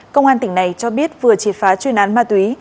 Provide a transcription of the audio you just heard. công an tỉnh này cho biết vừa triệt phá chuyên án ma túy